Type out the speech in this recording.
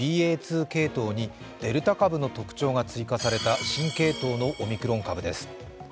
２系統にデルタ株の特徴が追加された新系統のオミクロン株です。